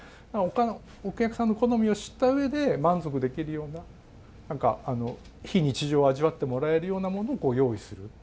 「ああお客さんの好みを知った上で満足できるような何か非日常を味わってもらえるようなものを用意する。